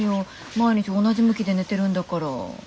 毎日同じ向きで寝てるんだから。